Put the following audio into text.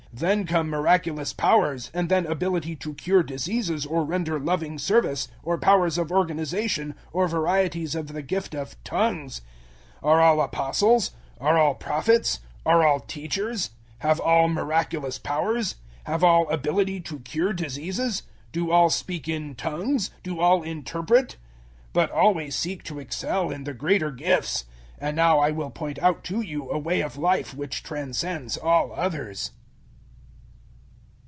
Then come miraculous powers, and then ability to cure diseases or render loving service, or powers of organization, or varieties of the gift of `tongues.' 012:029 Are all Apostles? Are all Prophets? Are all teachers? 012:030 Have all miraculous powers? Have all ability to cure diseases? Do all speak in `tongues'? Do all interpret? 012:031 But always seek to excel in the greater gifts. And now I will point out to you a way of life which transcends all others.